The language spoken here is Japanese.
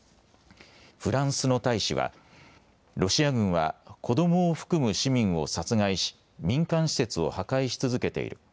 フランスの大使はロシア軍は子どもを含む市民を殺害し民間施設を破壊し続けている。